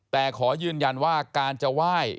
แต่ขอยืนยันว่าการจะไหว้